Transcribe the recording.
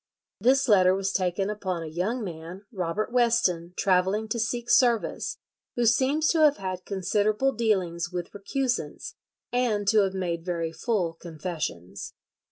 This letter was taken upon a young man, Robert Weston, travelling to seek service, "who seems to have had considerable dealings with recusants, and to have made very full confessions."